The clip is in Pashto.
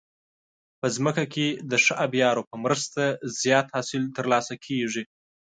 په ځمکه کې د ښه آبيارو په مرسته زیات حاصل ترلاسه کیږي.